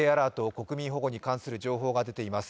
国民保護に関する情報が出ています。